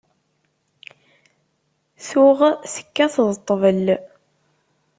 Tuɣ tekkateḍ ṭṭbel.